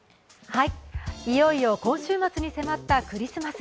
いよいよ今週末に迫ったクリスマス。